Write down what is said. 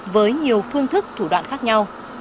với nhiều phương thức thủ đoạn khác nhau